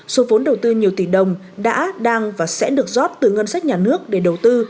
số vốn đầu tư nhiều tỷ đồng đã đang và sẽ được rót từ ngân sách nhà nước để đầu tư